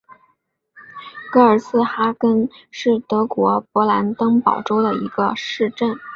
格尔茨哈根是德国勃兰登堡州的一个市镇。